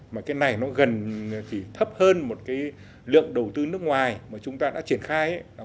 mà cái này nó gần thì thấp hơn một cái lượng đầu tư nước ngoài mà chúng ta đã triển khai